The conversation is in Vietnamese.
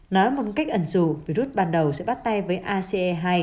nói một cách ẩn dù virus ban đầu sẽ bắt tay với ace hai